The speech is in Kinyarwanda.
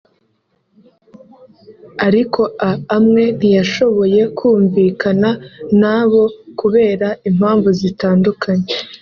ariko a amwe ntiyashoboye kumvikana nabo kubera impamvu zitandukanye